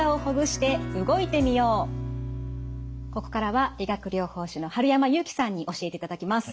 ここからは理学療法士の春山祐樹さんに教えていただきます。